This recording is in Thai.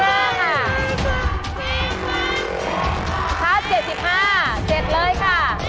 แพงกว่าแพงกว่าแพงกว่าแพงกว่า